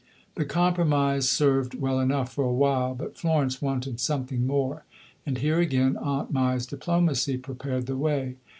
The compromise served well enough for a while, but Florence wanted something more; and here, again, Aunt Mai's diplomacy prepared the way.